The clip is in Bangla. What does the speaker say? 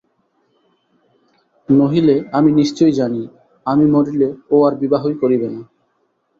নহিলে, আমি নিশ্চয় জানি, আমি মরিলে ও আর বিবাহই করিবে না।